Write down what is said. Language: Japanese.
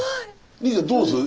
凜ちゃんどうする？